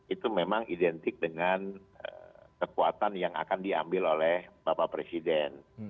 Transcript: itu memang identik dengan kekuatan yang akan diambil oleh bapak presiden